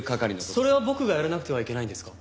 それは僕がやらなくてはいけないんですか？